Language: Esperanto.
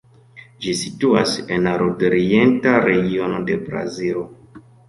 Ĝi situas en la nordorienta regiono de Brazilo.